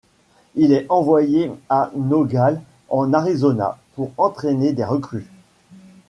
Il est envoyé à Nogales en Arizona pour entraîner des recrues.